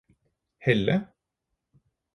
Helle